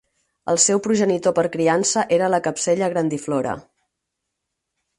El seu progenitor per criança era la "Capsella grandiflora".